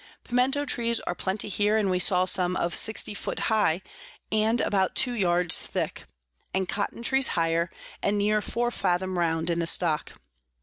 Piemento Trees are plenty here, and we saw some of 60 foot high, and about two yards thick; and Cotton Trees higher, and near four fathom round in the Stock.